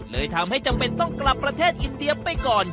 เลยทำให้จำเป็นต้องกลับประเทศอินเดียไปก่อน